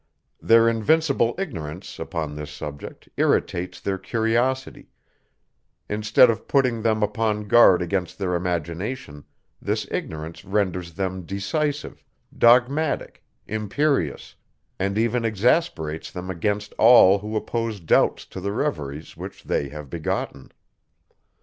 Their invincible ignorance, upon this subject, irritates their curiosity; instead of putting them upon guard against their imagination, this ignorance renders them decisive, dogmatic, imperious, and even exasperates them against all, who oppose doubts to the reveries which they have begotten.